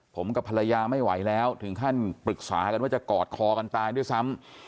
ผมกับภรรยาไม่ไหวแล้วถึงขั้นปรึกษากันว่าจะกอดคอกันตายด้วยซ้ำ